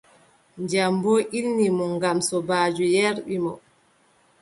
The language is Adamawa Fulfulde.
Ndiyam boo ilni mo ngam sobaajo yerɓi mo.